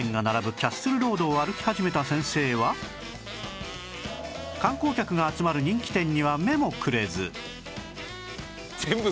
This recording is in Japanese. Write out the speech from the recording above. キャッスルロードを歩き始めた先生は観光客が集まる人気店には目もくれず